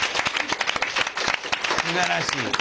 すばらしい。